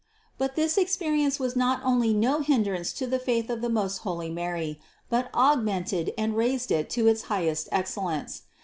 493. But this experience was not only no hindrance to the faith of the most holy Mary, but augmented and raised it to its highest excellence.